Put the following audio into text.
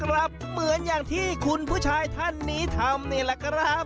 เหมือนอย่างที่คุณผู้ชายท่านนี้ทำนี่แหละครับ